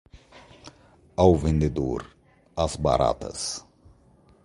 Ao vencedor, as batatas!